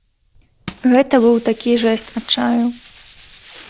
Гэта быў такі жэст адчаю.